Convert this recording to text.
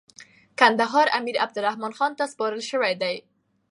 کندهار امیر عبدالرحمن خان ته سپارل سوی دی.